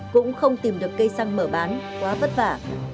cũng không tìm được cây xăng mở bán quá vất vả